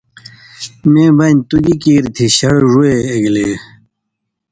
مِیں بان تُو گی کیریۡ تھی شڑ ڙُوہے ایگلے“۔